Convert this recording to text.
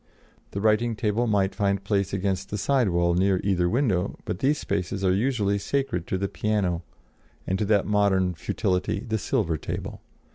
The writing table might find place against the side wall near either window; but these spaces are usually sacred to the piano and to that modern futility, the silver table.